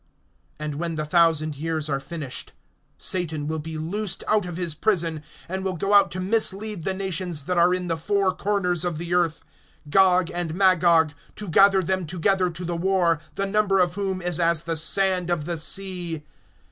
(7)And when the thousand years are finished, Satan will be loosed out of his prison, (8)and will go out to mislead the nations that are in the four corners of the earth, Gog and Magog, to gather them together to the war, the number of whom is as the sand of the sea.